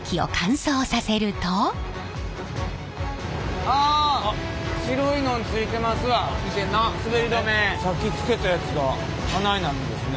さっきつけたやつがあないなるんですね。